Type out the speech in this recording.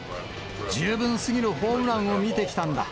十分すぎるホームランを見てきたんだ。